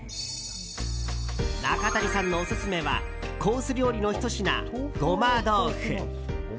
中谷さんのオススメはコース料理のひと品、ごまどうふ。